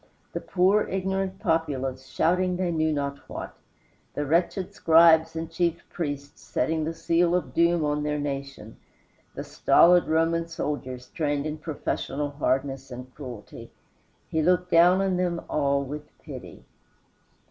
The poor ignorant populace shouting they knew not what, the wretched scribes and chief priests setting the seal of doom on their nation, the stolid Roman soldiers trained in professional hardness and cruelty he looked down on them all with pity.